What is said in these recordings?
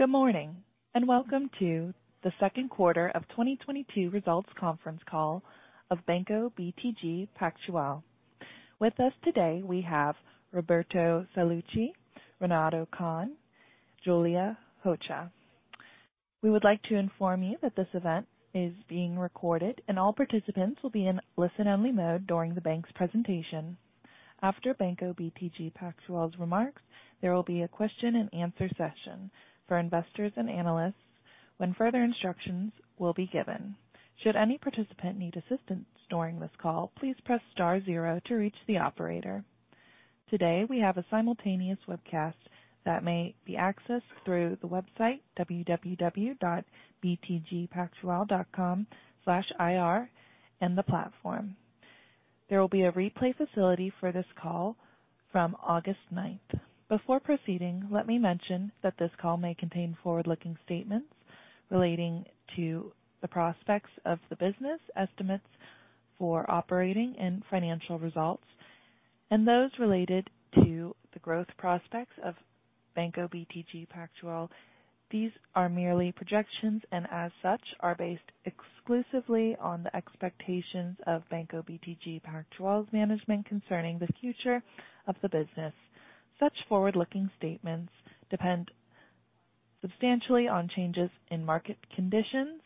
Good morning, and welcome to the second quarter of 2022 results conference call of Banco BTG Pactual. With us today, we have Roberto Sallouti, Renato Cohn, Julia Rocha. We would like to inform you that this event is being recorded and all participants will be in listen-only mode during the bank's presentation. After Banco BTG Pactual's remarks, there will be a question-and-answer session for investors and analysts when further instructions will be given. Should any participant need assistance during this call, please press star zero to reach the operator. Today, we have a simultaneous webcast that may be accessed through the website www.btgpactual.com/ir in the platform. There will be a replay facility for this call from August 9th. Before proceeding, let me mention that this call may contain forward-looking statements relating to the prospects of the business estimates for operating and financial results and those related to the growth prospects of Banco BTG Pactual. These are merely projections and as such, are based exclusively on the expectations of Banco BTG Pactual's management concerning the future of the business. Such forward-looking statements depend substantially on changes in market conditions,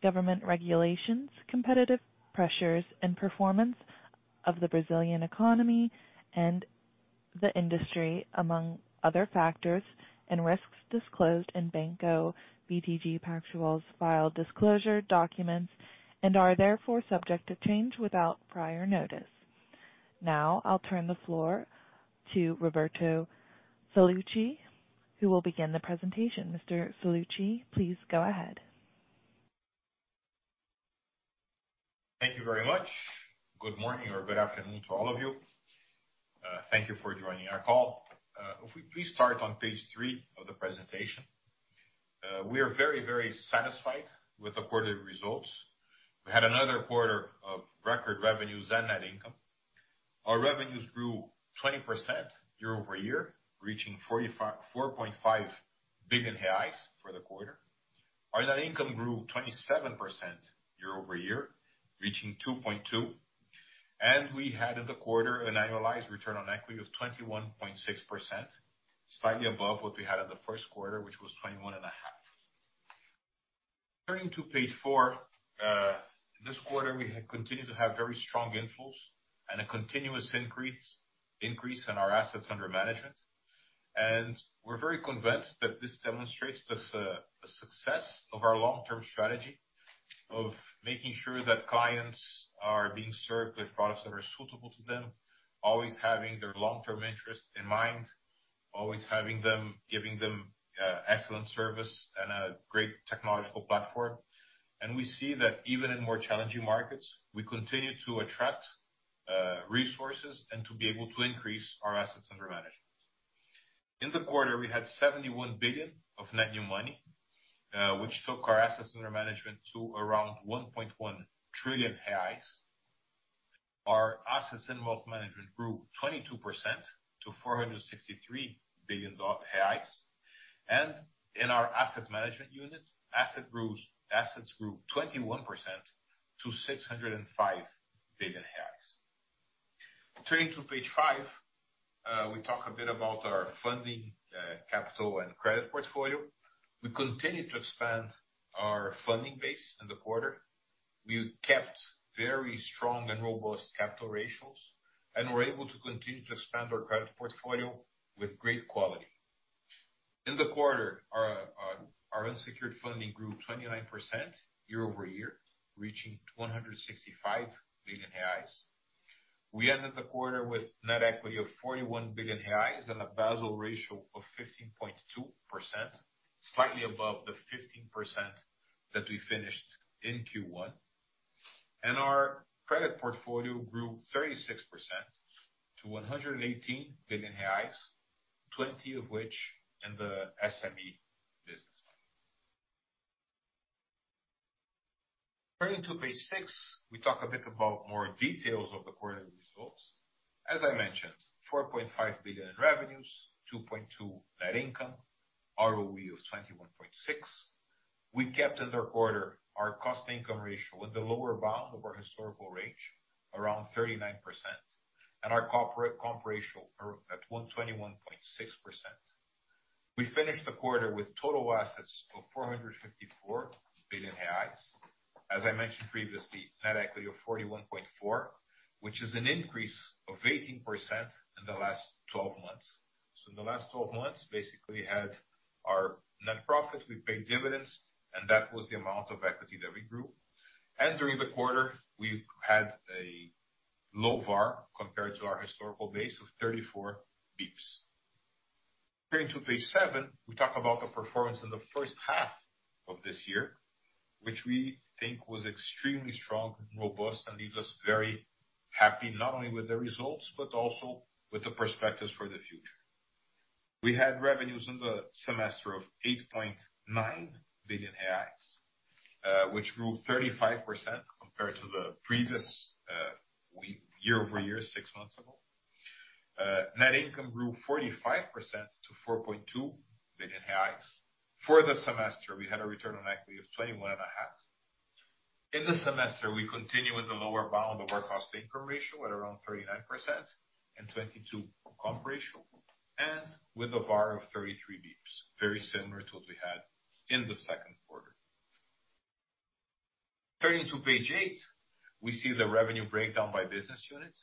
government regulations, competitive pressures, and performance of the Brazilian economy and the industry, among other factors, and risks disclosed in Banco BTG Pactual's filed disclosure documents, and are therefore subject to change without prior notice. Now, I'll turn the floor to Roberto Sallouti, who will begin the presentation. Mr. Sallouti, please go ahead. Thank you very much. Good morning or good afternoon to all of you. Thank you for joining our call. If we please start on Page 3 of the presentation. We are very, very satisfied with the quarter results. We had another quarter of record revenues and net income. Our revenues grew 20% year-over-year, reaching 4.5 billion reais for the quarter. Our net income grew 27% year-over-year, reaching 2.2 billion. We had, in the quarter, an annualized return on equity of 21.6%, slightly above what we had in the first quarter, which was 21.5. Turning to Page 4, this quarter, we had continued to have very strong inflows and a continuous increase in our assets under management. We're very convinced that this demonstrates just a success of our long-term strategy of making sure that clients are being served with products that are suitable to them. Always having their long-term interests in mind. Always giving them excellent service and a great technological platform. We see that even in more challenging markets, we continue to attract resources and to be able to increase our assets under management. In the quarter, we had 71 billion of net new money, which took our assets under management to around 1.1 trillion reais. Our assets in wealth management grew 22% to 463 billion reais. In our asset management units, assets grew 21% to 605 billion reais. Turning to Page 5, we talk a bit about our funding, capital, and credit portfolio. We continued to expand our funding base in the quarter. We kept very strong and robust capital ratios, and we're able to continue to expand our credit portfolio with great quality. In the quarter, our unsecured funding grew 29% year-over-year, reaching 165 billion reais. We ended the quarter with net equity of 41 billion reais and a Basel ratio of 15.2%, slightly above the 15% that we finished in Q1. Our credit portfolio grew 36% to 118 billion reais, 20 million of which in the SME business line. Turning to Page 6, we talk a bit about more details of the quarter results. As I mentioned, 4.5 billion in revenues, 2.2 billion net income, ROE of 21.6%. We kept in the quarter our cost income ratio in the lower bound of our historical range, around 39%, and our corporate comp ratio is at 121.6%. We finished the quarter with total assets of 454 billion reais. As I mentioned previously, net equity of 41.4 billion, which is an increase of 18% in the last 12 months. In the last 12 months, basically had our net profits, we paid dividends, and that was the amount of equity that we grew. During the quarter, we had a low VAR compared to our historical base of 34 basis points. Turning to Page 7, we talk about the performance in the first half of this year, which we think was extremely strong, robust, and leaves us very happy, not only with the results, but also with the perspectives for the future. We had revenues in the semester of 8.9 billion reais, which grew 35% compared to the previous year-over-year, six months ago. Net income grew 45% to 4.2 billion reais. For the semester, we had a return on equity of 21.5%. In the semester, we continue in the lower bound of our cost income ratio at around 39% and 22% comp ratio, and with a VAR of 33 basis points. Very similar to what we had in the second quarter. Turning to Page 8, we see the revenue breakdown by business unit,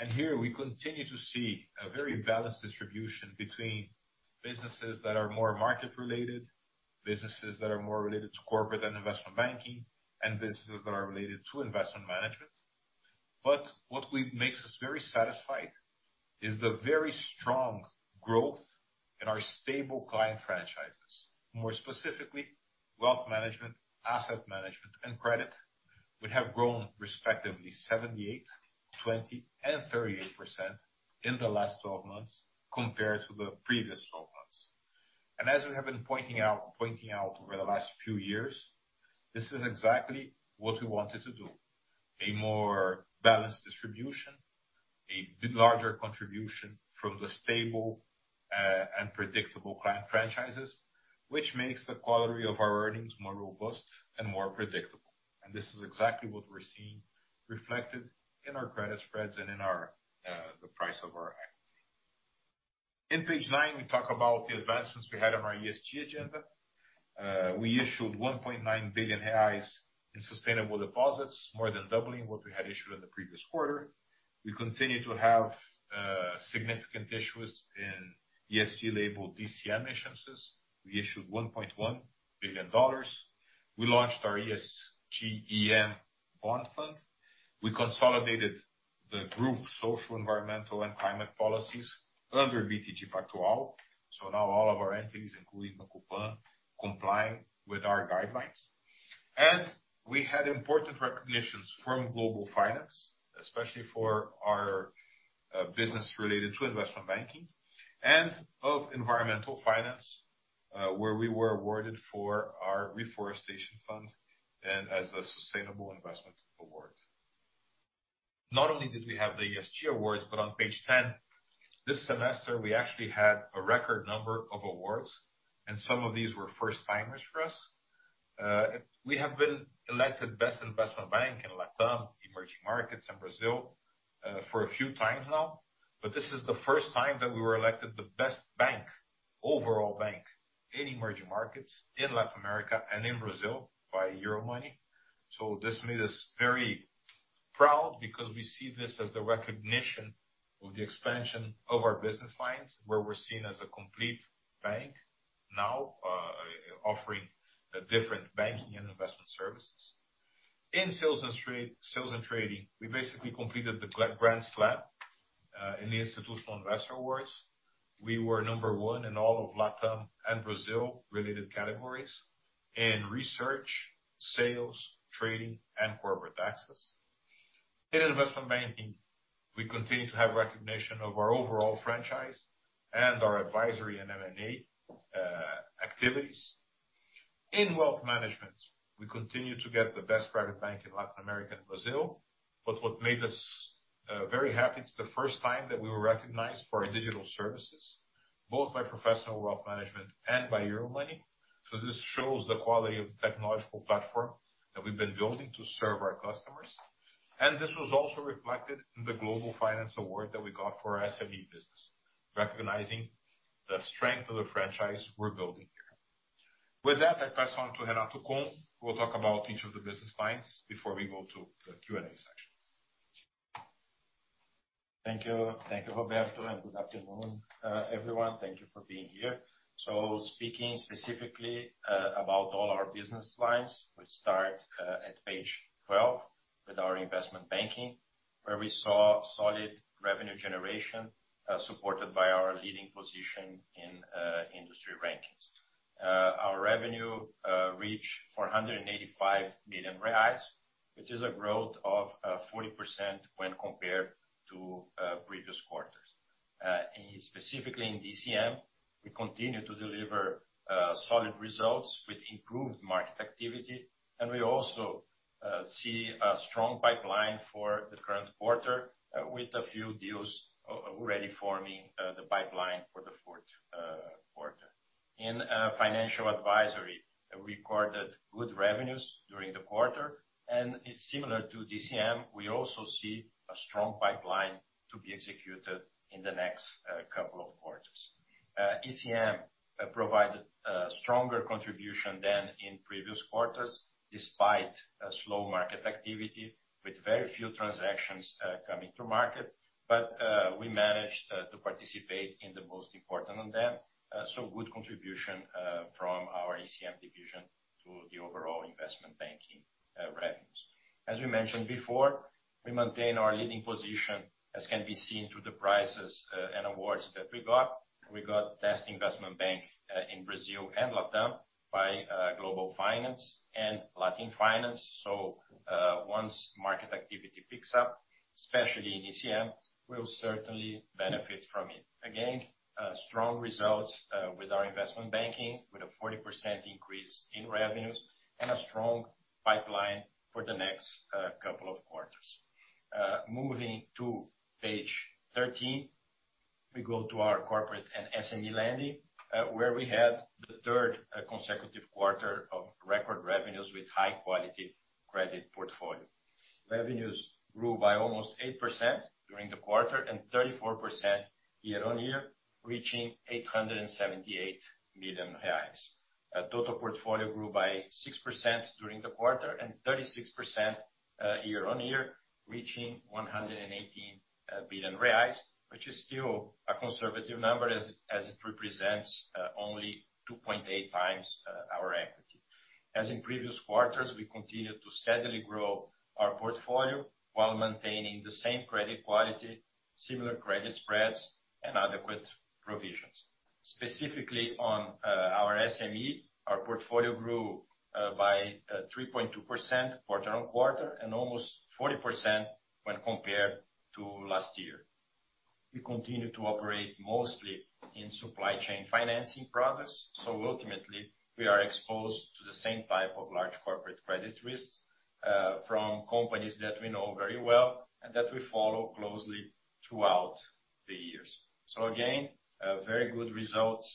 and here we continue to see a very balanced distribution between businesses that are more market related, businesses that are more related to corporate and investment banking, and businesses that are related to investment management. What makes us very satisfied is the very strong growth in our stable client franchises. More specifically, wealth management, asset management, and credit would have grown respectively 78%, 20%, and 38% in the last 12 months compared to the previous 12 months. As we have been pointing out over the last few years, this is exactly what we wanted to do. A more balanced distribution, a bit larger contribution from the stable and predictable client franchises, which makes the quality of our earnings more robust and more predictable. This is exactly what we're seeing reflected in our credit spreads and in our, the price of our equity. On Page 9, we talk about the advancements we had on our ESG agenda. We issued 1.9 billion reais in sustainable deposits, more than doubling what we had issued in the previous quarter. We continue to have significant issuance in ESG labeled DCM issuances. We issued $1.1 billion. We launched our ESG EM bond fund. We consolidated the group's social, environmental, and climate policies under BTG Pactual. Now all of our entities, including Banco Pan, comply with our guidelines. We had important recognitions from Global Finance, especially for our business related to investment banking and of environmental finance, where we were awarded for our reforestation fund and as a sustainable investment award. Not only did we have the ESG awards, but on page ten, this semester, we actually had a record number of awards, and some of these were first-timers for us. We have been elected best investment bank in LatAm, emerging markets, and Brazil for a few times now, but this is the first time that we were elected the best bank, overall bank in emerging markets in Latin America and in Brazil by Euromoney. So this made us very proud because we see this as the recognition of the expansion of our business lines, where we're seen as a complete bank now, offering different banking and investment services. In sales and trading, we basically completed the grand slam in the Institutional Investor Awards. We were number one in all of LatAm and Brazil related categories in research, sales, trading, and corporate access. In investment banking, we continue to have recognition of our overall franchise and our advisory and M&A activities. In wealth management, we continue to get the best private bank in Latin America and Brazil. What made us very happy, it's the first time that we were recognized for our digital services, both by Professional Wealth Management and by Euromoney. This shows the quality of the technological platform that we've been building to serve our customers. This was also reflected in the Global Finance Award that we got for our SME business, recognizing the strength of the franchise we're building here. With that, I pass on to Renato Cohn, who will talk about each of the business lines before we go to the Q&A section. Thank you. Thank you, Roberto, and good afternoon, everyone. Thank you for being here. Speaking specifically about all our business lines, we start at Page 12 with our investment banking, where we saw solid revenue generation supported by our leading position in industry rankings. Our revenue reached 485 million reais, which is a growth of 40% when compared to previous quarters. Specifically in DCM, we continue to deliver solid results with improved market activity, and we also see a strong pipeline for the current quarter with a few deals already forming the pipeline for the fourth quarter. In financial advisory, we recorded good revenues during the quarter, and it's similar to DCM, we also see a strong pipeline to be executed in the next couple of quarters. ECM provided stronger contribution than in previous quarters, despite a slow market activity with very few transactions coming to market. We managed to participate in the most important of them. Good contribution from our ECM division to the overall investment banking revenues. As we mentioned before, we maintain our leading position, as can be seen through the prizes and awards that we got. We got Best Investment Bank in Brazil and LatAm by Global Finance and LatinFinance. Once market activity picks up, especially in ECM, we'll certainly benefit from it. Again, strong results, with our investment banking with a 40% increase in revenues and a strong pipeline for the next couple of quarters. Moving to Page 13, we go to our corporate and SME lending, where we have the third consecutive quarter of record revenues with high quality credit portfolio. Revenues grew by almost 8% during the quarter, and 34% year-on-year, reaching 878 million reais. Total portfolio grew by 6% during the quarter, and 36% year-on-year, reaching 118 billion reais, which is still a conservative number as it represents only 2.8 times our equity. As in previous quarters, we continue to steadily grow our portfolio while maintaining the same credit quality, similar credit spreads, and adequate provisions. Specifically on our SME, our portfolio grew by 3.2% quarter-over-quarter, and almost 40% when compared to last year. We continue to operate mostly in supply chain financing products, so ultimately, we are exposed to the same type of large corporate credit risks from companies that we know very well and that we follow closely throughout the years. Again, very good results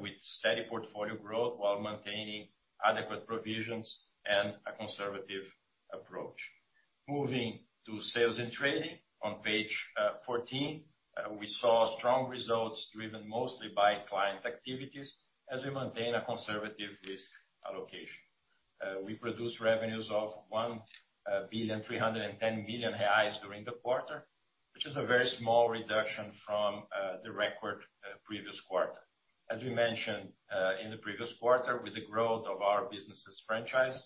with steady portfolio growth while maintaining adequate provisions and a conservative approach. Moving to sales and trading on Page 14, we saw strong results driven mostly by client activities as we maintain a conservative risk allocation. We produced revenues of 1.31 billion during the quarter, which is a very small reduction from the record previous quarter. As we mentioned in the previous quarter, with the growth of our business' franchise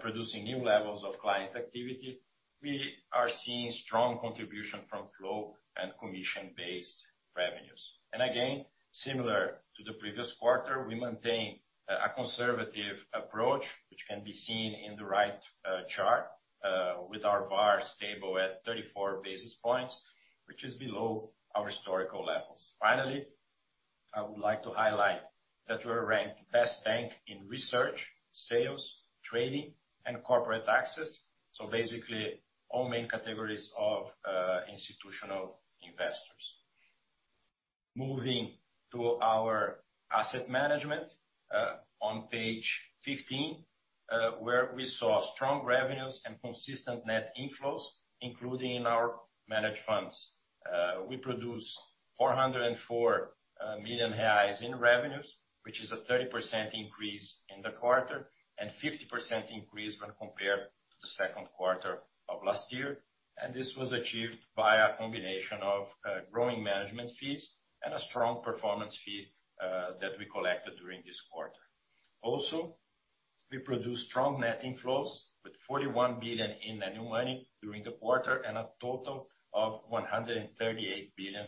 producing new levels of client activity, we are seeing strong contribution from flow and commission-based revenues. Again, similar to the previous quarter, we maintain a conservative approach, which can be seen in the right chart with our VaR stable at 34 basis points, which is below our historical levels. Finally, I would like to highlight that we're ranked best bank in research, sales, trading, and corporate access, so basically all main categories of institutional investors. Moving to our asset management on Page 15, where we saw strong revenues and consistent net inflows, including in our managed funds. We produced 404 million reais in revenues, which is a 30% increase in the quarter, and 50% increase when compared to the second quarter of last year. This was achieved by a combination of growing management fees and a strong performance fee that we collected during this quarter. Also, we produced strong net inflows with 41 billion in new money during the quarter and a total of 138 billion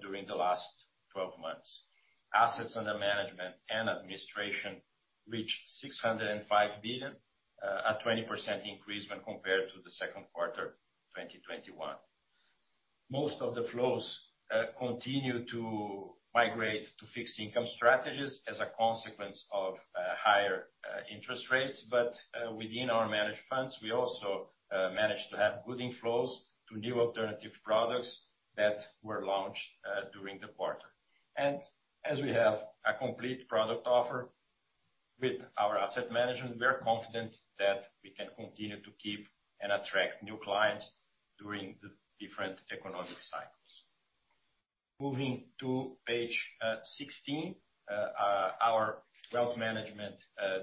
during the last 12 months. Assets under management and administration reached 605 billion, a 20% increase when compared to the second quarter 2021. Most of the flows continue to migrate to fixed income strategies as a consequence of higher interest rates. Within our managed funds, we also managed to have good inflows to new alternative products that were launched during the quarter. As we have a complete product offer with our Asset Management, we are confident that we can continue to keep and attract new clients during the different economic cycles. Moving to Page 16, our Wealth Management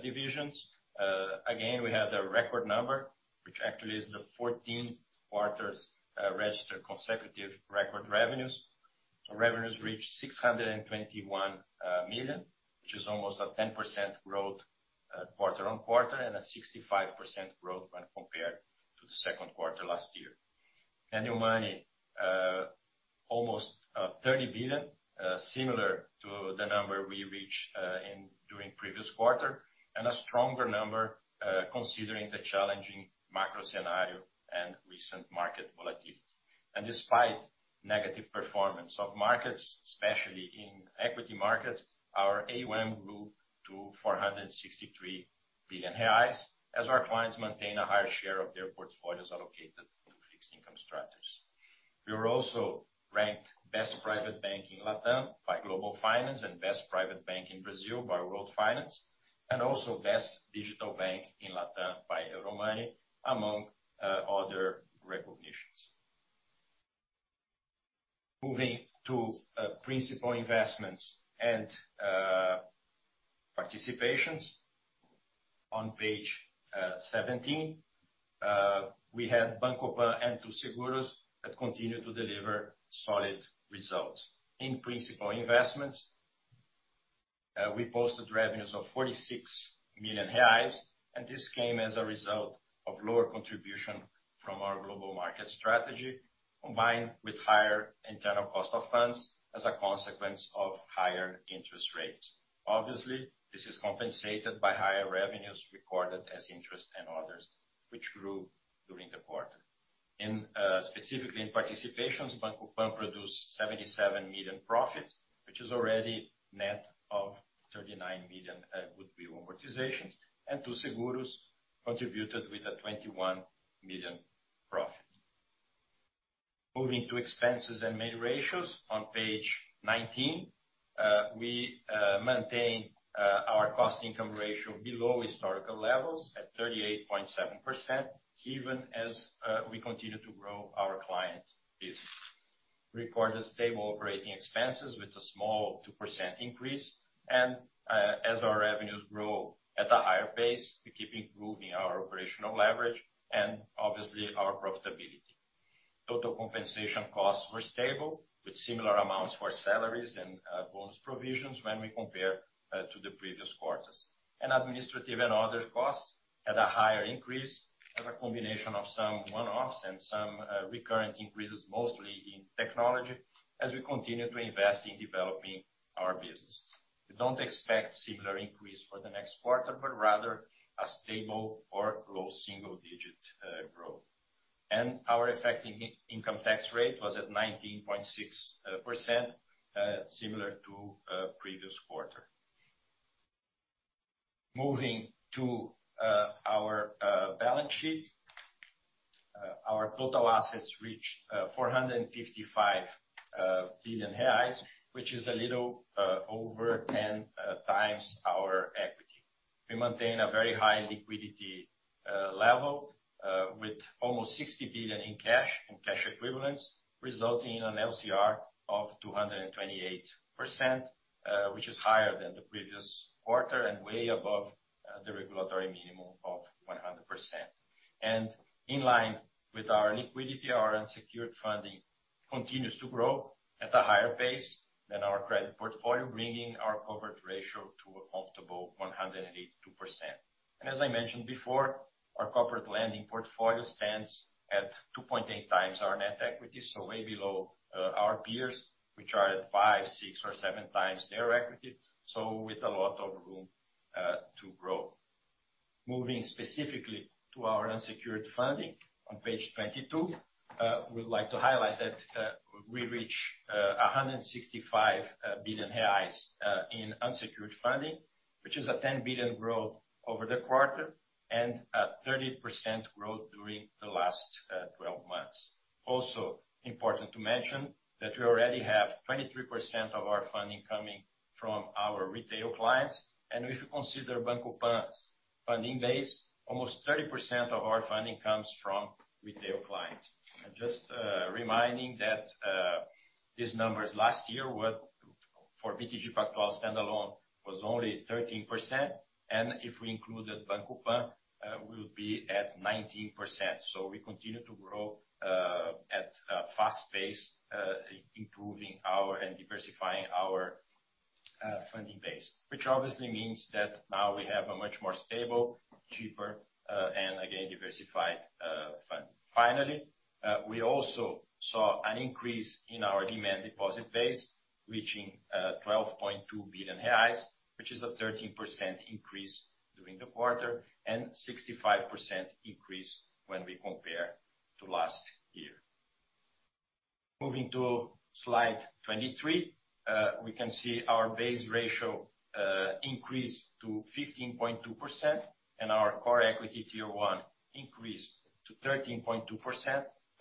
divisions. Again, we have the record number, which actually is the fourteenth quarters registered consecutive record revenues. Revenues reached 621 million, which is almost a 10% growth quarter-over-quarter, and a 65% growth when compared to the second quarter last year. New money almost 30 billion, similar to the number we reached in the previous quarter, and a stronger number considering the challenging macro scenario and recent market volatility. Despite negative performance of markets, especially in equity markets, our AUM grew to 463 billion reais as our clients maintain a higher share of their portfolios allocated to fixed income strategies. We were also ranked best private bank in LatAm by Global Finance, and best private bank in Brazil by World Finance, and also best digital bank in LatAm by Euromoney, among other recognitions. Moving to principal investments and participations on Page 17. We had Banco Pan and Too Seguros that continued to deliver solid results. In principal investments, we posted revenues of 46 million reais, and this came as a result of lower contribution from our global market strategy, combined with higher internal cost of funds as a consequence of higher interest rates. Obviously, this is compensated by higher revenues recorded as interest and others, which grew during the quarter. In specifically in participations, Banco Pan produced 77 million profit, which is already net of 39 million in amortizations and Too Seguros contributed with a 21 million profit. Moving to expenses and main ratios on Page 19. We maintain our cost income ratio below historical levels at 38.7% even as we continue to grow our client base. We record a stable operating expenses with a small 2% increase. As our revenues grow at a higher pace, we keep improving our operational leverage and obviously our profitability. Total compensation costs were stable with similar amounts for salaries and bonus provisions when we compare to the previous quarters. Administrative and other costs at a higher increase as a combination of some one-offs and some recurring increases, mostly in technology as we continue to invest in developing our business. We don't expect similar increase for the next quarter, but rather a stable or low single digit growth. Our effective income tax rate was at 19.6%, similar to previous quarter. Moving to our balance sheet. Our total assets reach 455 billion reais, which is a little over 10x our equity. We maintain a very high liquidity level with almost 60 billion in cash and cash equivalents, resulting in an LCR of 228%, which is higher than the previous quarter and way above the regulatory minimum of 100%. In line with our liquidity, our unsecured funding continues to grow at a higher pace than our credit portfolio, bringing our coverage ratio to a comfortable 182%. As I mentioned before, our corporate lending portfolio stands at 2.8x our net equity, so way below our peers, which are at 5x, 6x or 7x their equity. With a lot of room to grow. Moving specifically to our unsecured funding on Page 22. We'd like to highlight that we reach 165 billion reais in unsecured funding, which is a 10 billion growth over the quarter and a 30% growth during the last 12 months. Also important to mention that we already have 23% of our funding coming from our retail clients. If you consider Banco Pan's funding base, almost 30% of our funding comes from retail clients. Just reminding that these numbers last year were for BTG Pactual standalone was only 13%, and if we included Banco Pan we would be at 19%. We continue to grow at a fast pace, improving our and diversifying our funding base, which obviously means that now we have a much more stable, cheaper and again diversified fund. Finally, we also saw an increase in our demand deposit base reaching 12.2 billion reais, which is a 13% increase during the quarter and 65% increase when we compare to last year. Moving to slide 23, we can see our Basel ratio increase to 15.2% and our Common Equity Tier 1 increased to 13.2%.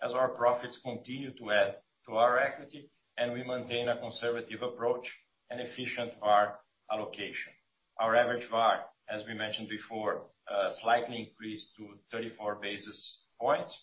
As our profits continue to add to our equity and we maintain a conservative approach and efficient VaR allocation. Our average VaR, as we mentioned before, slightly increased to 34 basis points,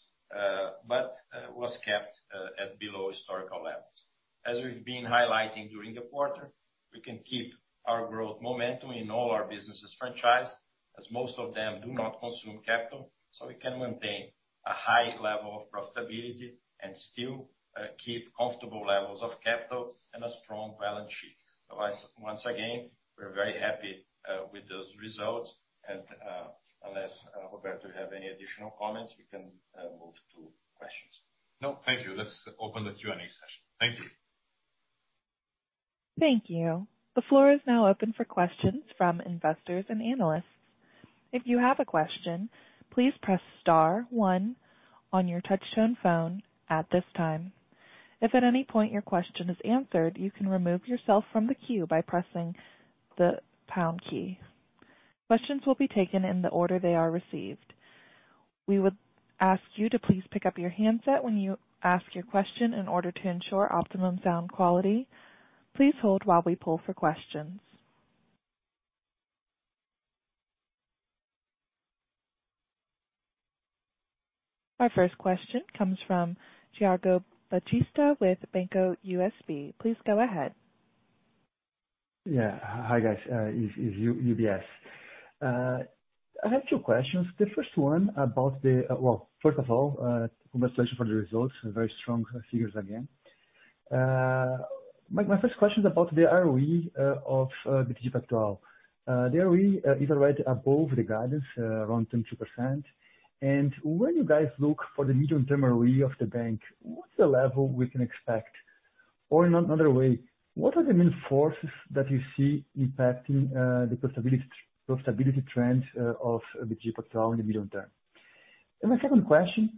but was kept at below historical levels. As we've been highlighting during the quarter, we can keep our growth momentum in all our businesses franchised, as most of them do not consume capital, so we can maintain a high level of profitability and still keep comfortable levels of capital and a strong balance sheet. Once again, we're very happy with those results. Unless Roberto, you have any additional comments, we can move to questions. No, thank you. Let's open the Q&A session. Thank you. Thank you. The floor is now open for questions from investors and analysts. If you have a question, please press star one on your touch tone phone at this time. If at any point your question is answered, you can remove yourself from the queue by pressing the pound key. Questions will be taken in the order they are received. We would ask you to please pick up your handset when you ask your question in order to ensure optimum sound quality. Please hold while we poll for questions. Our first question comes from Thiago Batista with Banco UBS. Please go ahead. Yeah. Hi, guys. It's UBS. I have two questions. First of all, congratulations for the results. Very strong figures again. My first question is about the ROE of BTG Pactual. The ROE is already above the guidance, around 22%. When you guys look for the medium term ROE of the bank, what's the level we can expect? Or in another way, what are the main forces that you see impacting the profitability trends of BTG Pactual in the medium term? My second question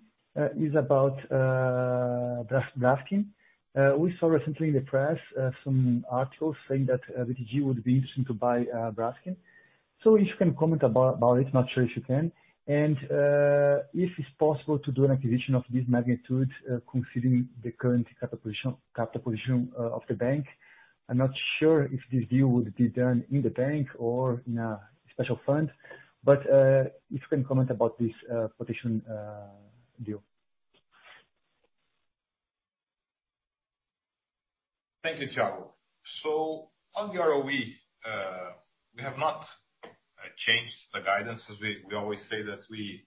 is about Braskem. We saw recently in the press some articles saying that BTG would be interested to buy Braskem. So if you can comment about it, I'm not sure if you can. If it's possible to do an acquisition of this magnitude, considering the current capital position of the bank. I'm not sure if this deal would be done in the bank or in a special fund, but if you can comment about this potential deal. Thank you, Thiago. On the ROE, we have not changed the guidance as we always say that we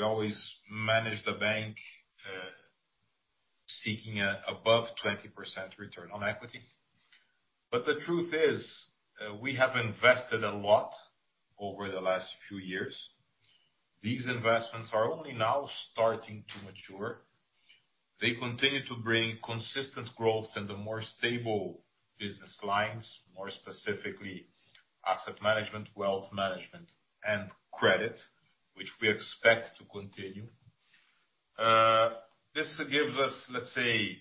always manage the bank, seeking above 20% return on equity. The truth is, we have invested a lot over the last few years. These investments are only now starting to mature. They continue to bring consistent growth in the more stable business lines, more specifically Asset Management, Wealth Management, and credit, which we expect to continue. This gives us, let's say,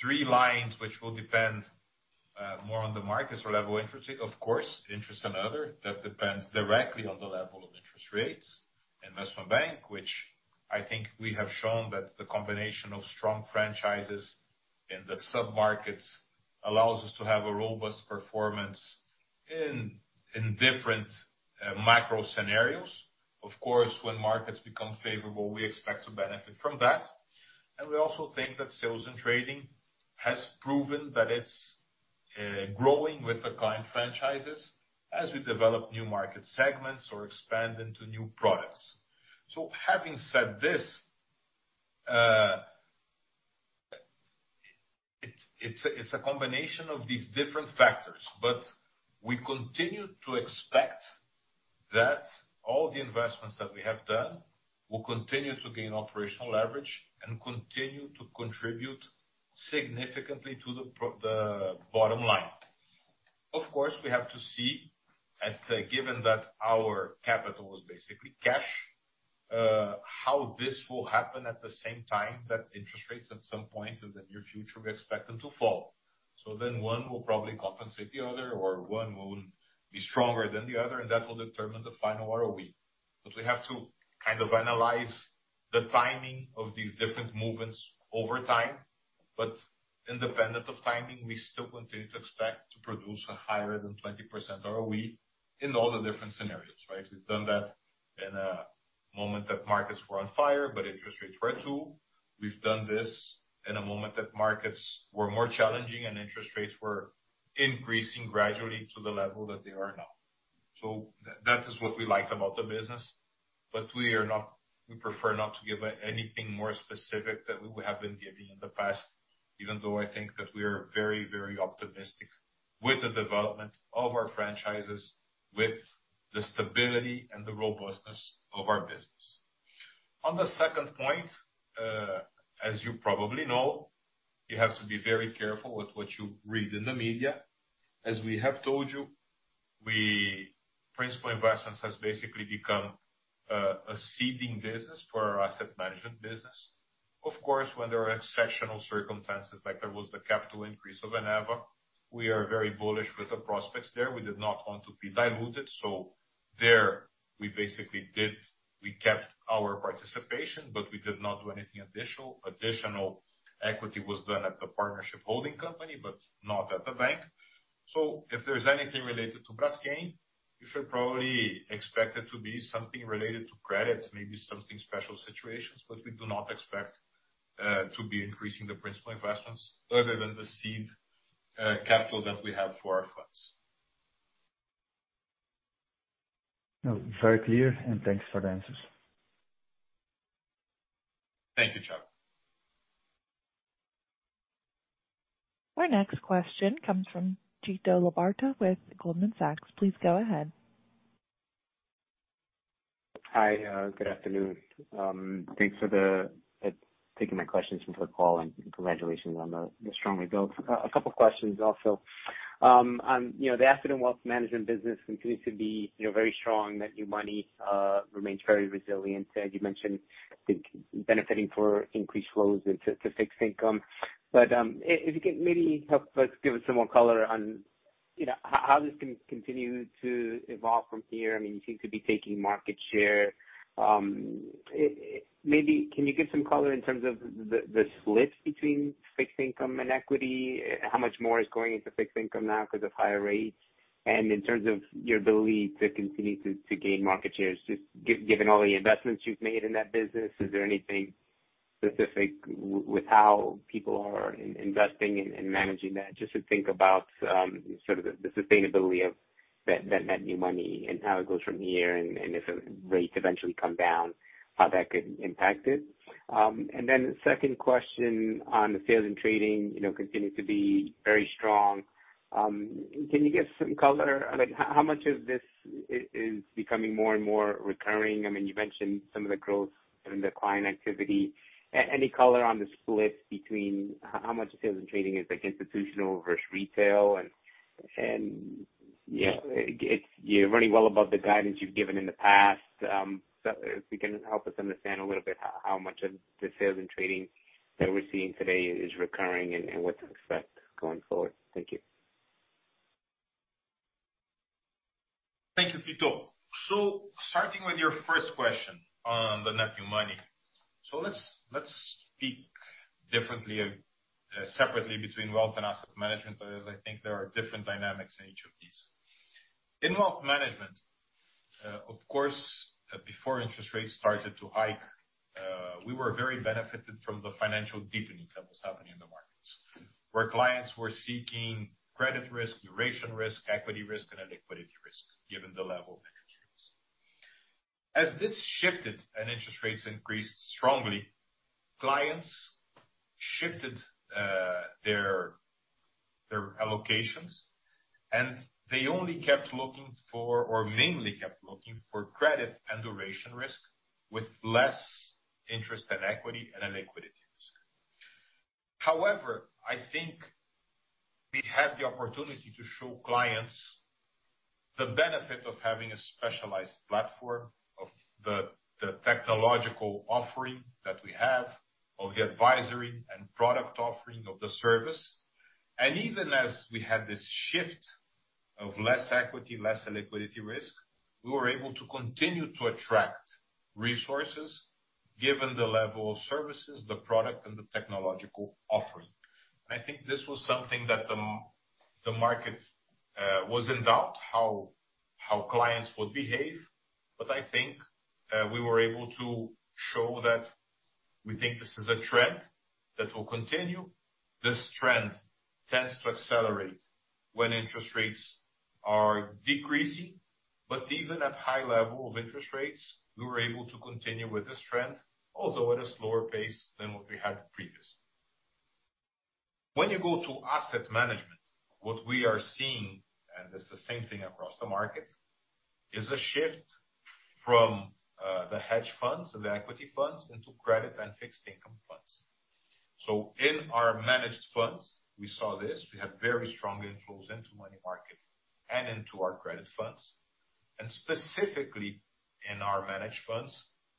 three lines which will depend more on the markets or level interest rate. Of course, interest and other, that depends directly on the level of interest rates. Investment Banking, which I think we have shown that the combination of strong franchises in the sub-markets allows us to have a robust performance in different macro-scenarios. Of course, when markets become favorable, we expect to benefit from that. We also think that Sales and Trading has proven that it's growing with the client franchises as we develop new market segments or expand into new products. Having said this, it's a combination of these different factors, but we continue to expect that all the investments that we have done will continue to gain operational leverage and continue to contribute significantly to the bottom line. Of course, we have to see, given that our capital is basically cash, how this will happen at the same time that interest rates at some point in the near future, we expect them to fall. Then one will probably compensate the other, or one will be stronger than the other, and that will determine the final ROE. We have to kind of analyze the timing of these different movements over time, but independent of timing, we still continue to expect to produce a higher than 20% ROE in all the different scenarios, right? We've done that in a moment that markets were on fire, but interest rates were too. We've done this in a moment that markets were more challenging and interest rates were increasing gradually to the level that they are now. That is what we liked about the business. We are not. We prefer not to give anything more specific that we have been giving in the past, even though I think that we are very, very optimistic with the development of our franchises, with the stability and the robustness of our business. On the second point, as you probably know, you have to be very careful with what you read in the media. As we have told you, Principal Investments has basically become a seeding business for our Asset Management business. Of course, when there are exceptional circumstances, like there was the capital increase of Eneva, we are very bullish with the prospects there. We did not want to be diluted, so there we kept our participation, but we did not do anything additional. Additional equity was done at the partnership holding company, but not at the bank. If there's anything related to Braskem, you should probably expect it to be something related to credit, maybe something special situations. We do not expect to be increasing the principal investments other than the seed capital that we have for our funds. No, very clear, and thanks for the answers. Thank you, Thiago. Our next question comes from Tito Labarta with Goldman Sachs. Please go ahead. Hi, good afternoon. Thanks for taking my questions for the call and congratulations on the strong results. A couple of questions also. On, you know, the asset and wealth management business continues to be, you know, very strong. That new money remains very resilient. As you mentioned, I think benefiting from increased flows into fixed income. If you can maybe give us some more color on, you know, how this can continue to evolve from here. I mean, you seem to be taking market share. Maybe can you give some color in terms of the split between fixed income and equity? How much more is going into fixed income now because of higher rates? In terms of your ability to continue to gain market shares, just given all the investments you've made in that business, is there anything specific with how people are investing and managing that? Just to think about sort of the sustainability of that new money and how it goes from here and if rates eventually come down, how that could impact it. And then second question on the sales and trading, you know, continue to be very strong. Can you give some color, like how much of this is becoming more and more recurring? I mean, you mentioned some of the growth and the client activity. Any color on the split between how much sales and trading is like institutional versus retail and yeah, it's. You're running well above the guidance you've given in the past. If you can help us understand a little bit how much of the Sales and Trading that we're seeing today is recurring and what to expect going forward. Thank you. Thank you, Tito. Starting with your first question on the net new money. Let's speak differently, separately between Wealth Management and Asset Management, because I think there are different dynamics in each of these. In Wealth Management, of course, before interest rates started to hike, we were very benefited from the financial deepening that was happening in the markets, where clients were seeking credit risk, duration risk, equity risk, and liquidity risk, given the level of interest rates. As this shifted and interest rates increased strongly, clients shifted their allocations, and they only kept looking for or mainly kept looking for credit and duration risk with less interest in equity and in liquidity risk. However, I think we had the opportunity to show clients the benefit of having a specialized platform, of the technological offering that we have, of the advisory and product offering of the service. Even as we had this shift of less equity, less liquidity risk, we were able to continue to attract resources given the level of services, the product, and the technological offering. I think this was something that the market was in doubt how clients would behave. I think we were able to show that we think this is a trend that will continue. This trend tends to accelerate when interest rates are decreasing. Even at high level of interest rates, we were able to continue with this trend, although at a slower pace than what we had previously. When you go to Asset Management, what we are seeing, and it's the same thing across the market, is a shift from the hedge funds and the equity funds into credit and fixed income funds. In our managed funds, we saw this. We had very strong inflows into money market and into our credit funds. Specifically in our managed funds,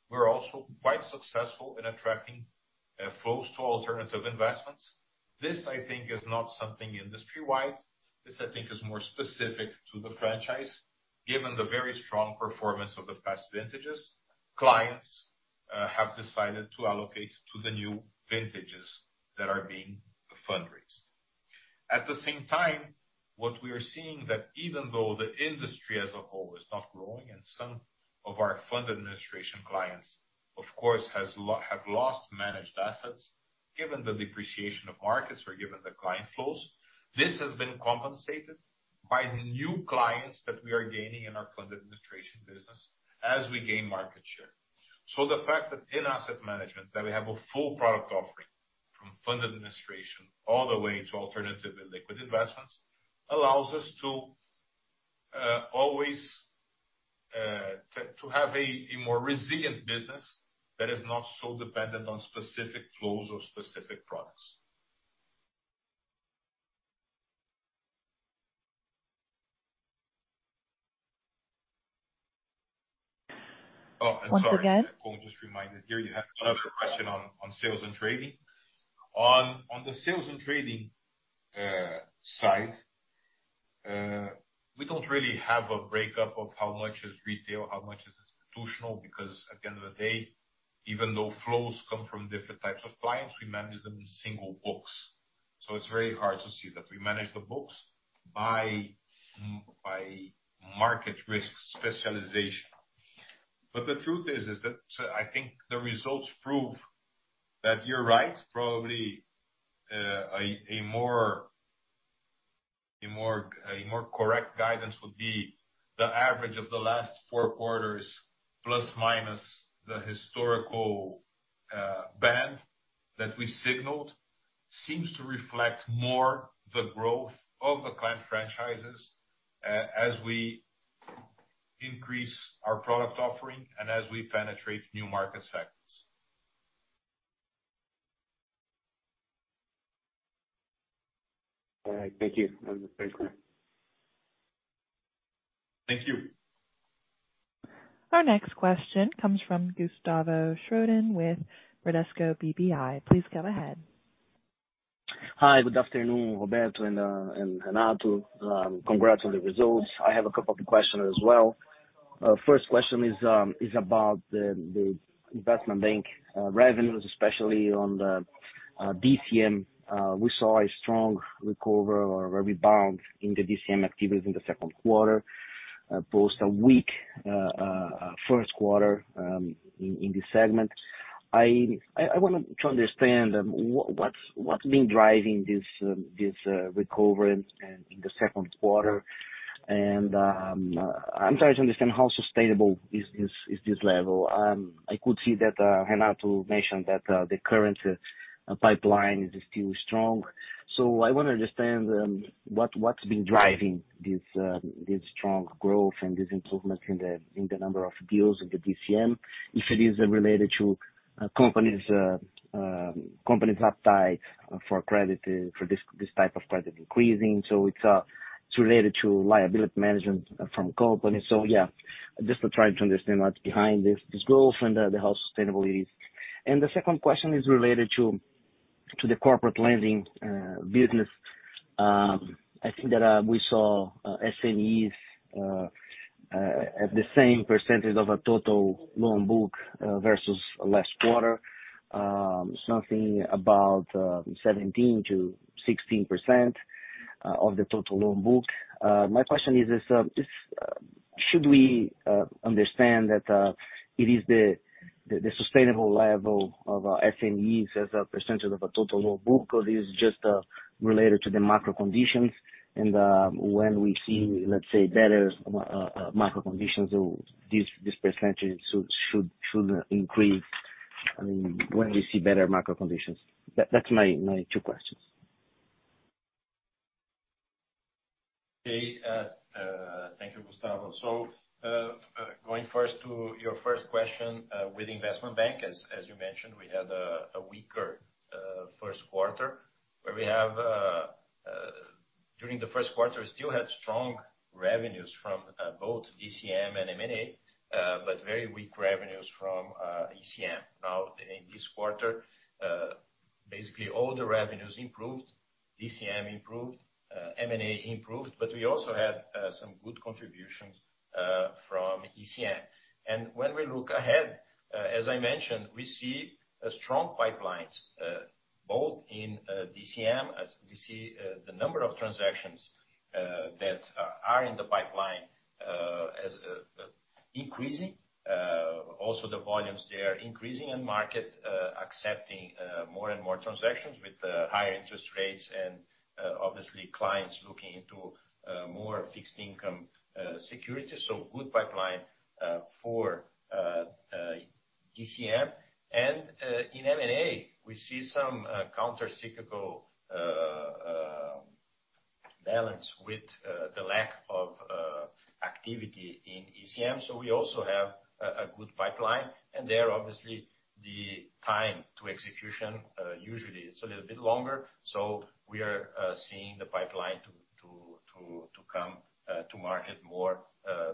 we're also quite successful in attracting flows to alternative investments. This, I think, is not something industry-wide. This I think is more specific to the franchise. Given the very strong performance of the past vintages, clients have decided to allocate to the new vintages that are being fundraised. At the same time, what we are seeing that even though the industry as a whole is not growing and some of our fund administration clients of course has have lost managed assets, given the depreciation of markets or given the client flows, this has been compensated by new clients that we are gaining in our fund administration business as we gain market share. The fact that in asset management that we have a full product offering from fund administration all the way to alternative and liquid investments allows us to always to have a more resilient business that is not so dependent on specific flows or specific products. Oh, sorry. Once again. My phone just reminded me you have another question on sales and trading. On the sales and trading side, we don't really have a breakdown of how much is retail, how much is institutional, because at the end of the day, even though flows come from different types of clients, we manage them in single books. It's very hard to see that. We manage the books by market risk specialization. The truth is that I think the results prove that you're right. Probably, a more correct guidance would be the average of the last four quarters plus minus the historical band that we signaled seems to reflect more the growth of the client franchises as we increase our product offering and as we penetrate new market sectors. All right. Thank you. That was very clear. Thank you. Our next question comes from Gustavo Schroden with Bradesco BBI. Please go ahead. Hi. Good afternoon, Roberto and Renato. Congrats on the results. I have a couple of questions as well. First question is about the investment bank revenues, especially on the DCM. We saw a strong recover or rebound in the DCM activities in the second quarter post a weak first quarter in this segment. I want to understand what has been driving this recovery in the second quarter. I'm trying to understand how sustainable this level is. I could see that Renato mentioned that the current pipeline is still strong. I wanna understand what's been driving this strong growth and this improvement in the number of deals in the DCM, if it is related to companies' appetite for credit for this type of credit increasing, so it's related to liability management from companies. Yeah. Just to try to understand what's behind this growth and how sustainable it is. The second question is related to the corporate lending business. I think that we saw SMEs at the same percentage of a total loan book versus last quarter. Something about 17%-16% of the total loan book. My question is this, should we understand that it is the sustainable level of SMEs as a percentage of a total loan book or is just related to the macro conditions? When we see, let's say, better micro conditions, so this percentage should increase, I mean, when we see better micro conditions. That's my two questions. Okay. Thank you, Gustavo. Going first to your first question, in investment banking as you mentioned, we had a weaker first quarter where we had, during the first quarter, we still had strong revenues from both ECM and M&A, but very weak revenues from DCM. Now, in this quarter, basically all the revenues improved, ECM improved, M&A improved, but we also had some good contributions from DCM. When we look ahead, as I mentioned, we see strong pipelines both in DCM, as we see the number of transactions that are in the pipeline as increasing. Also, the volumes there are increasing and market accepting more and more transactions with the higher interest rates and obviously clients looking into more fixed income securities. Good pipeline for DCM. In M&A, we see some counter-cyclical balance with the lack of activity in ECM. We also have a good pipeline, and there are obviously the time to execution usually it's a little bit longer. We are seeing the pipeline to come to market more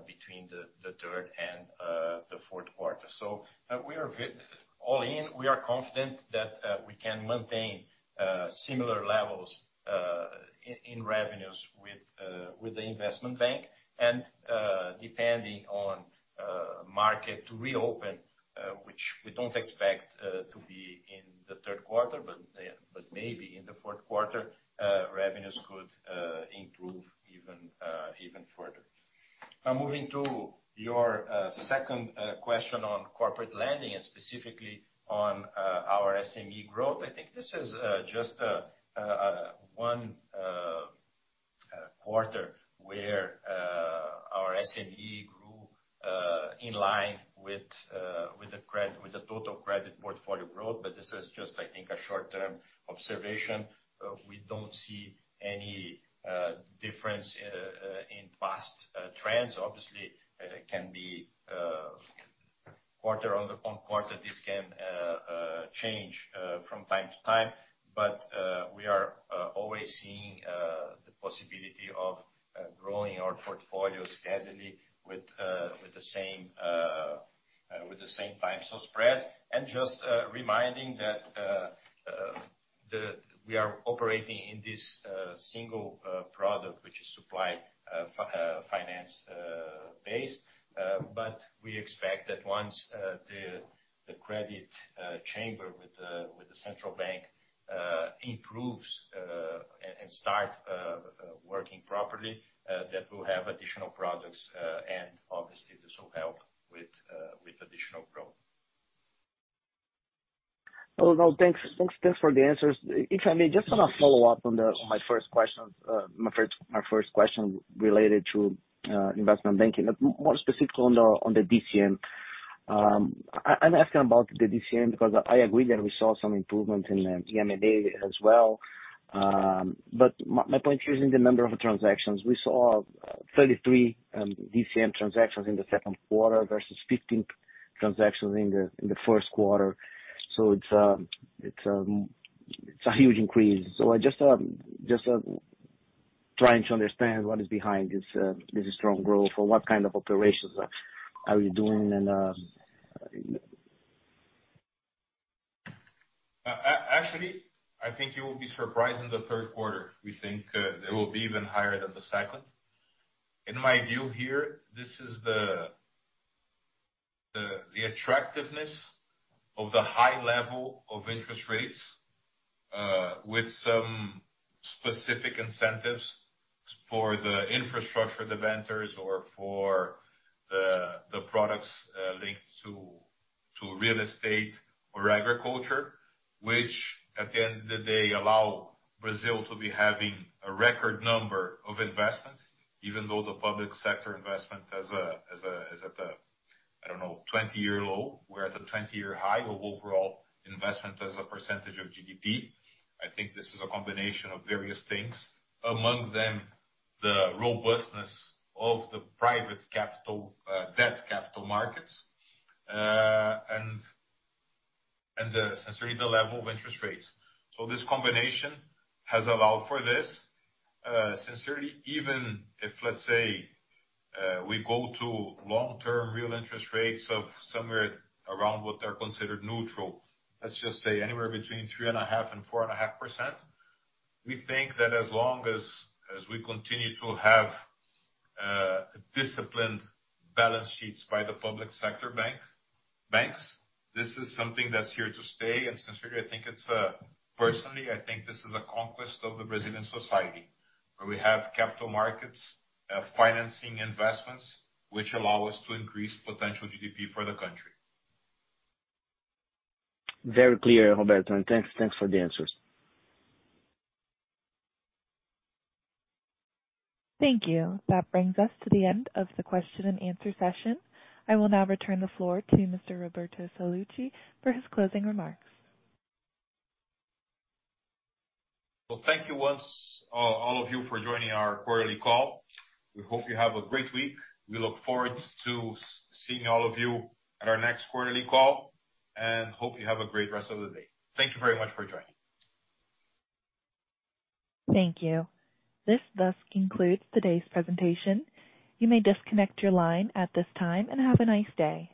between the third and the fourth quarter. We are good. All in, we are confident that we can maintain similar levels in revenues with the investment bank, and depending on markets to reopen, which we don't expect to be in the third quarter, but maybe in the fourth quarter, revenues could improve even further. Now, moving to your second question on corporate lending and specifically on our SME growth. I think this is just one quarter where our SME grew in line with the total credit portfolio growth. This is just, I think, a short-term observation. We don't see any difference in past trends. Obviously, it can be quarter-on-quarter, this can change from time to time. We are always seeing the possibility of growing our portfolio steadily with the same time spread. Just reminding that we are operating in this single product, which is supply finance based. We expect that once the credit chamber with the central bank improves and start working properly, that we'll have additional products and obviously this will help with additional growth. Oh. No, thanks. Thanks for the answers. If I may, just wanna follow up on my first question. My first question related to investment banking, but more specifically on the DCM. I'm asking about the DCM because I agree that we saw some improvement in M&A as well. My point here is in the number of transactions. We saw 33 DCM transactions in the second quarter versus 15 transactions in the first quarter. It's a huge increase. I'm just trying to understand what is behind this strong growth or what kind of operations are we doing and. Actually, I think you will be surprised in the third quarter. We think, it will be even higher than the second. In my view here, this is the attractiveness of the high level of interest rates, with some specific incentives for the infrastructure developers or for the products, linked to real estate or agriculture, which at the end of the day allow Brazil to be having a record number of investments, even though the public sector investment is at a, I don't know, 20-year low. We're at a 20-year high of overall investment as a percentage of GDP. I think this is a combination of various things, among them the robustness of the private capital, debt capital markets, and sincerely the level of interest rates. This combination has allowed for this. Sincerely even if, let's say, we go to long-term real interest rates of somewhere around what they're considered neutral, let's just say anywhere between 3.5% and 4.5%, we think that as long as we continue to have disciplined balance sheets by the public sector banks, this is something that's here to stay. Sincerely, I think it's personally, I think this is a conquest of the Brazilian society, where we have capital markets financing investments, which allow us to increase potential GDP for the country. Very clear, Roberto, and thanks for the answers. Thank you. That brings us to the end of the question and answer session. I will now return the floor to Mr. Roberto Sallouti for his closing remarks. Well, thank you once all of you for joining our quarterly call. We hope you have a great week. We look forward to seeing all of you at our next quarterly call, and hope you have a great rest of the day. Thank you very much for joining. Thank you. This thus concludes today's presentation. You may disconnect your line at this time, and have a nice day.